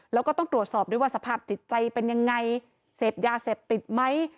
แล้วก็ต้องตรวจสอบด้วยว่าสภาพจิตใจเป็นยังไงเสพยาเสพติดไหม